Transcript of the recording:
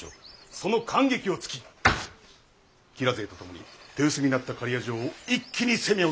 その間隙をつき吉良勢と共に手薄になった刈谷城を一気に攻め落としまする！